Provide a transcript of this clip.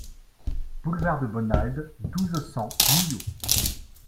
Boulevard de Bonald, douze, cent Millau